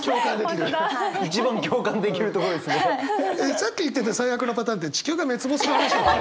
さっき言ってた最悪のパターンって地球が滅亡する話でしたっけ？